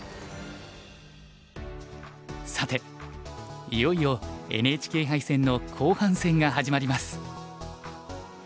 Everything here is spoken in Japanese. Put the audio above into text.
さていよいよＮＨＫ杯戦の後半戦が始まります。